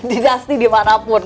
di nasti dimanapun